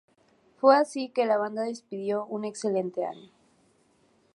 Fue así que la banda despidió un excelente año.